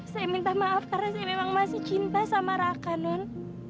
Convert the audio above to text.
saya minta maaf karena saya memang masih cinta sama rakanun